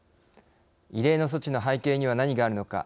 異例の措置の背景には何があるのか。